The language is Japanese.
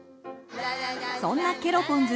そんなケロポンズ